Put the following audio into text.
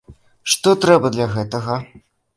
Што трэба для гэтага?